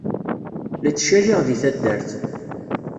La ttcaliɣ deg taddart.